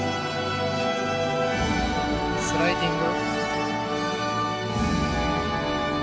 スライディング。